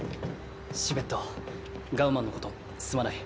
シベットガウマンのことすまない。